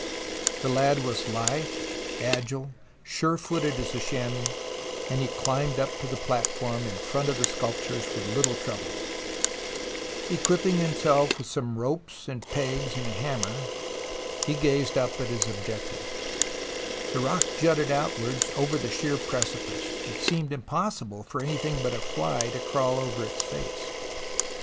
The lad was lithe, agile, sure footed as a chamois, and he climbed up to the platform in front of the sculptures with little trouble. Equipping himself 112 THE ROMANCE OF EXCAVATION with some ropes and pegs and a hammer, he gazed up at his objective. The rock jutted outwards over the sheer precipice ; it seemed impossible for anything but a fly to crawl over its face.